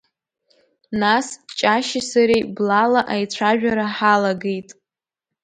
Нас Ҷашьи сареи блала аицәажәара ҳалагеит…